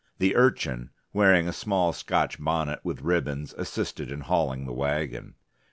The Urchin, wearing a small Scotch bonnet with ribbons, assisted in hauling the wagon.